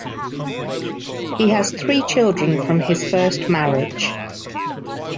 He has three children from his first marriage.